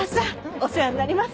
お世話になります。